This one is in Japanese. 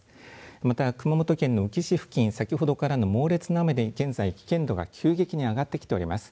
また熊本県の宇城市付近先ほどからの猛烈な雨で現在、危険度が急激に上がってきております。